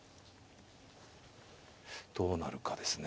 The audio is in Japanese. どうなるかですね。